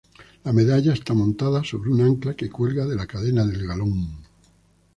La medalla está montada sobre un ancla que cuelga de la cadena del galón.